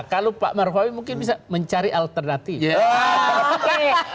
kalau pak maruf amin mungkin bisa mencari alternatif